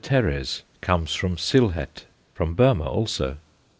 teres_ comes from Sylhet; from Burmah also.